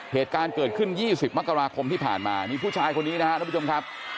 เหตุการณ์เกิดขึ้น๒๐มกราคมที่ผ่านมามีผู้ชายคนนี้นะครับทุกผู้ชมครับ